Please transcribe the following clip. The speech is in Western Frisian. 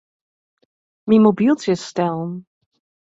Myn mobyltsje is stellen.